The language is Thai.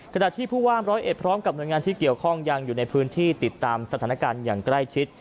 ขณะที่ผู้ว่ามร้อยเอ็ดพร้อมกับหน่วยงานที่เกี่ยวข้องยังอยู่ในพื้นที่ติดตามสถานการณ์อย่างใกล้ชิด